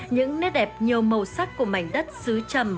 những nét đẹp nhiều màu sắc của mảnh đất xứ trầm